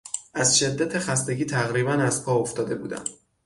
از شدت خستگی تقریبا از پا افتاده بودم.